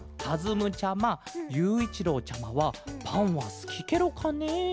むちゃまゆういちろうちゃまはパンはすきケロかね？